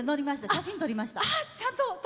写真撮りました。